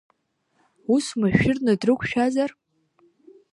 Ус машәырны дрықәшәазар?